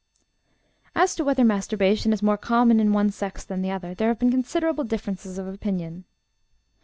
As to whether masturbation is more common in one sex than the other, there have been considerable differences of opinion.